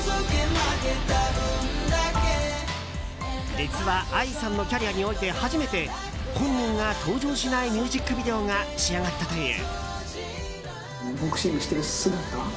実はＡＩさんのキャリアにおいて初めて本人が登場しないミュージックビデオが仕上がったという。